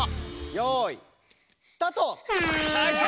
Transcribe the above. よいスタート。